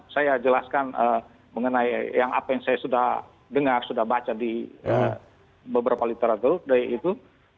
saya jelaskan mengenai yang apa yang saya sudah dengar sudah baca di beberapa literatur dari itu